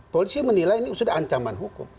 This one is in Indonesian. polisi menilai ini sudah ancaman hukum